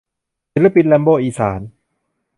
ศิลปิน แรมโบ้อีสาน